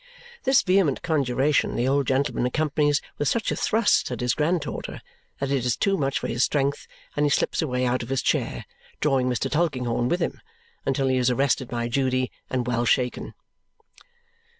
This vehement conjuration the old gentleman accompanies with such a thrust at his granddaughter that it is too much for his strength, and he slips away out of his chair, drawing Mr. Tulkinghorn with him, until he is arrested by Judy, and well shaken.